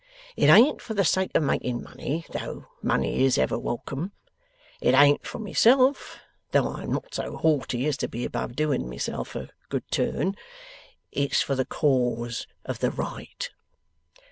It ain't for the sake of making money, though money is ever welcome. It ain't for myself, though I am not so haughty as to be above doing myself a good turn. It's for the cause of the right.